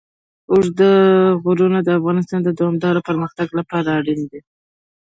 اوږده غرونه د افغانستان د دوامداره پرمختګ لپاره اړین دي.